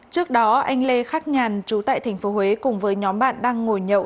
trước đó anh lê khắc nhàn trú tại thành phố huế cùng với nhóm bạn đang ngồi nhậu